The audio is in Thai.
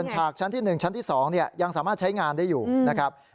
ฉากชั้นที่๑ชั้นที่๒ยังสามารถใช้งานได้อยู่นะครับ